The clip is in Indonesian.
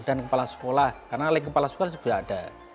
dan kepala sekolah karena link kepala sekolah juga ada